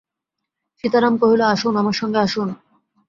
সীতারাম কহিল, আসুন, আমার সঙ্গে আসুন।